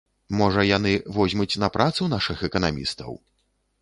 Можа, яны возьмуць на працу нашых эканамістаў?